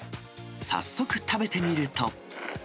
早速食べてみると。